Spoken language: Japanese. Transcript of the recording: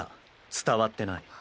伝わってない。